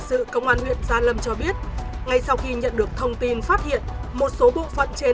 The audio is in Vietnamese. sự công an huyện gia lâm cho biết ngay sau khi nhận được thông tin phát hiện một số bộ phận trên